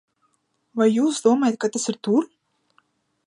Vai jūs domājat, ka tas ir tur?